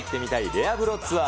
レア風呂ツアー。